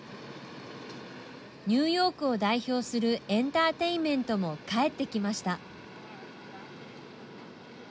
ニューヨークを代表するエンターテインメントも帰ってきました。